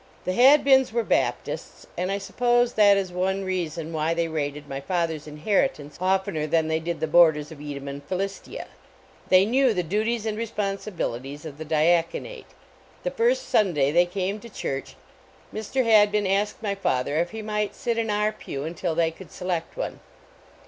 The Hadbins were Baptists, and I suppose that is one reason why they raided my fath inheritance oitener than they did the border of Kdnm and 1 hilistia. They knew the clutie> and responsibilities of the diaconate. The lir.st Sunday tiny eamc to church, Mr. 149 A NEIGHBORLY NEIGHBORHOOD Hadbin asked my father if he might sit in our pew until they could select one.